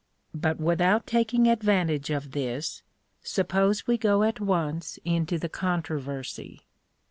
But without taking advantage of this, suppose we go at once into the controversy.